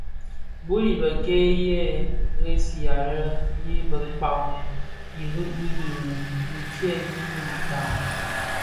Bul i bëkéé yi ressiya yi bëkpàg rì di đì tyën ti ngüità.